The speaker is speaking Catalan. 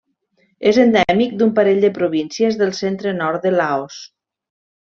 És endèmic d'un parell de províncies del centre-nord de Laos.